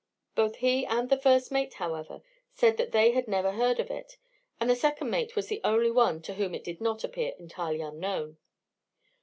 Both he and the first mate, however, said that they had never heard of it, and the second mate was the only one to whom it did not appear entirely unknown.